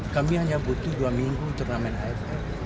kami hanya butuh dua minggu turnamen aff